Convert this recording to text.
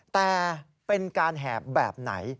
แต่เป็นการแหบแบบไหน